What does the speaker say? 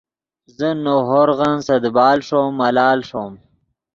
زو نؤ ہورغن سے دیبال ݰوم ملال ݰوم